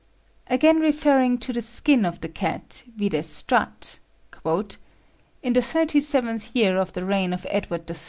Again referring to the skin of the cat, vide Strutt: "In the thirty seventh year of the reign of Edward III.